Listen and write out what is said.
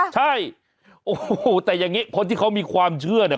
ใช่โอ้โหแต่อย่างนี้คนที่เขามีความเชื่อเนี่ย